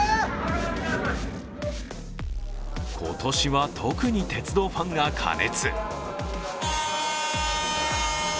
今年は特に鉄道ファンが過熱。